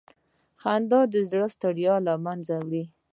خندا د زړه ستړیا له منځه وړي.